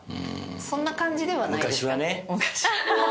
そんな感じではないですか？